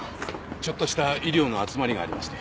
ちょっとした医療の集まりがありまして。